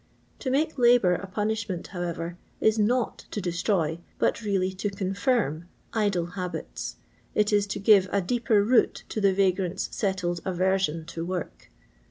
To make labour a punishment, however, if not to destroy, but really to confirm, idle habits; it is to give a deeper root to the vagrant's settled aversion to work.